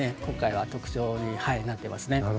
今回は特徴になっていますね。